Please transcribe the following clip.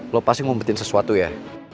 lo pasti ngumpetin sesuatu ya